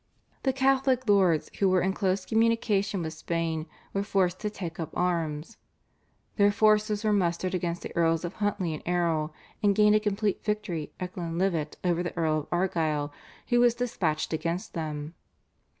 The Catholic lords who were in close communication with Spain were forced to take up arms. Their forces were mustered under the Earls of Huntly and Erroll, and gained a complete victory at Glenlivet over the Earl of Argyll who was dispatched against them.